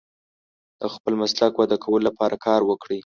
د خپل مسلک وده کولو لپاره کار وکړئ.